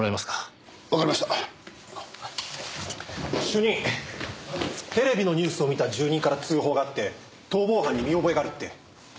主任テレビのニュースを見た住人から通報があって逃亡犯に見覚えがあるって。